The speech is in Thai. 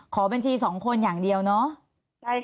ขอบัญชี๒คนอย่างเดียวเนาะ